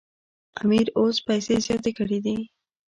امیر اوس پیسې زیاتې کړي دي.